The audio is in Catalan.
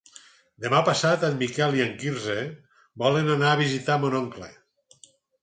Demà passat en Miquel i en Quirze volen anar a visitar mon oncle.